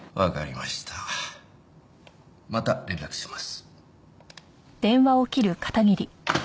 また連絡します。